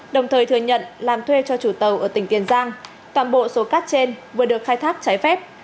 đồng thời thừa nhận làm thuê cho chủ tàu ở tỉnh tiền giang toàn bộ số cát trên vừa được khai thác trái phép